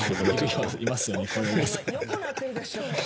今横なってるでしょう？